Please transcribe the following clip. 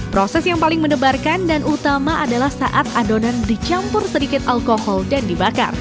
proses yang paling mendebarkan dan utama adalah saat adonan dicampur sedikit alkohol dan dibakar